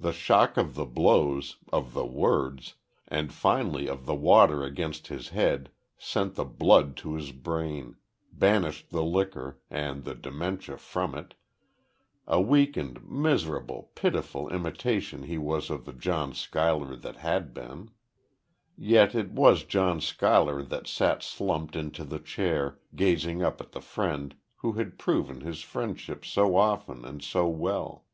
The shock of the blows of the words and finally of the water against his head, sent the blood to his brain banished the liquor, and the dementia, from it.... A weakened, miserable, pitiful imitation he was of the John Schuyler that had been. Yet it was John Schuyler that sat slumped into the chair, gazing up at the friend who had proven his friendship so often and so well.